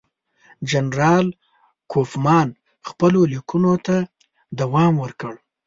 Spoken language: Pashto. جنرال کوفمان خپلو لیکونو ته دوام ورکړ.